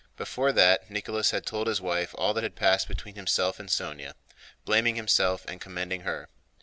Before that, Nicholas had told his wife all that had passed between himself and Sónya, blaming himself and commending her.